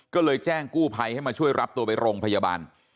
ก็เลยแจ้งกู้ภัยให้มาช่วยรับตัวไปโรงพยาบาล